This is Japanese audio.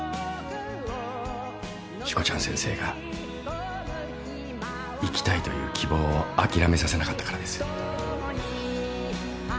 しこちゃん先生が生きたいという希望を諦めさせなかったからです。